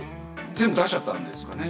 全部出しちゃったんですかね。